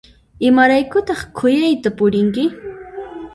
Imaraykutaq khuyayta purinki?